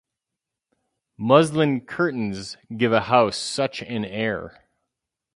Muslin curtains give a house such an air.